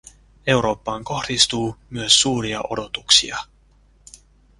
Eurooppaan kohdistuu myös suuria odotuksia.